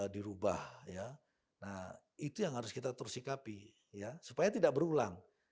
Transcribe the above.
dirubah ya nah itu yang harus kita terus sikapi ya supaya tidak berulang